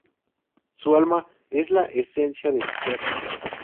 Su alma es la esencia de su ser.